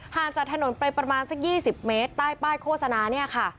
จากถนนไปประมาณสัก๒๐เมตรใต้ป้ายโฆษณาเนี่ยค่ะ